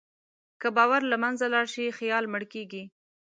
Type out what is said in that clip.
که باور له منځه لاړ شي، خیال مړ کېږي.